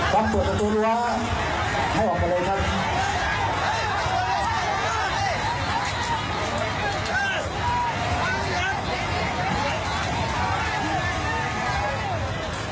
ครับตัวตัวตัวตัวว่าให้ออกไปเลยครับ